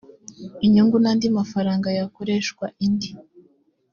inyungu n andi mafaranga yakoreshwa indi